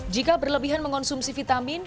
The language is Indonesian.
jika berlebihan mengonsumsi vitamin